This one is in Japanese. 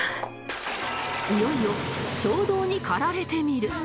いよいよ衝動に駆られてみる